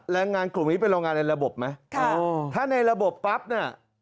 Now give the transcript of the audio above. แรงงานกลุ่มนี้เป็นโรงงานในระบบไหมถ้าในระบบปั๊บเนี่ย